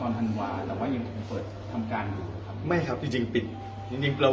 แล้วก็มาให้รายละเอียดนะครับภาพที่ปรากฏในสื่อต่างนะครับ